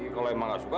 kalau emang gak suka